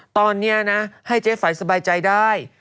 ตอนนี้นะให้เจ๊ไฝสบายใจได้